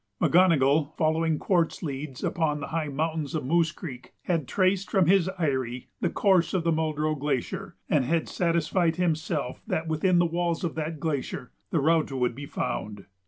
McGonogill, following quartz leads upon the high mountains of Moose Creek, had traced from his aerie the course of the Muldrow Glacier, and had satisfied himself that within the walls of that glacier the route would be found.